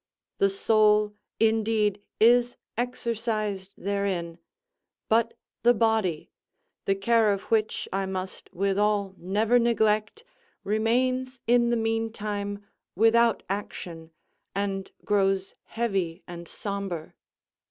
The soul indeed is exercised therein; but the body, the care of which I must withal never neglect, remains in the meantime without action, and grows heavy and sombre.